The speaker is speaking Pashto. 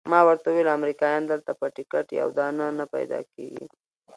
ما ورته وویل امریکایان دلته په ټکټ یو دانه نه پیدا کیږي.